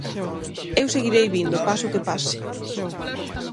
Eu seguirei vindo, pase o que pase.